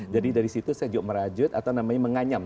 jadi dari situ saya juga merajut atau namanya menganyam